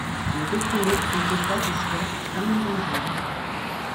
Les documents font état d'esclaves amérindiens.